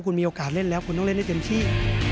คุณมีโอกาสเล่นแล้วคุณต้องเล่นให้เต็มที่